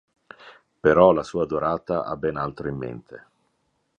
Però la sua adorata ha ben altro in mente.